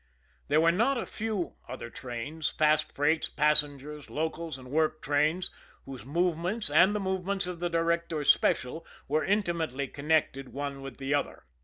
There were not a few other trains, fast freights, passengers, locals and work trains, whose movements and the movements of the Directors' Special were intimately connected one with the other.